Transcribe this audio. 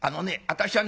私はね